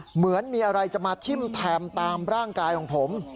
เหมือนมีอะไรจะมาทิ้มแทงตามร่างกายของผม